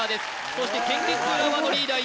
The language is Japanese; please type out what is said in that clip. そして県立浦和のリーダー